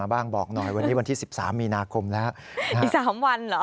วันนี้วันที่๑๓มิคมอีสามวันเหรอ